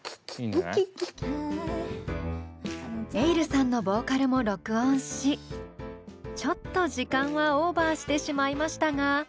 ｅｉｌｌさんのボーカルも録音しちょっと時間はオーバーしてしまいましたが。